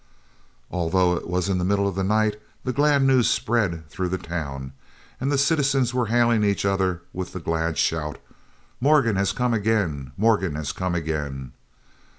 Although it was in the middle of the night, the glad news spread through the town, and the citizens were hailing each other with the glad shout, "Morgan has come again! Morgan has come again!"